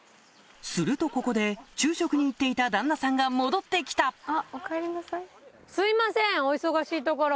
するとここで昼食に行っていた旦那さんが戻って来たあ。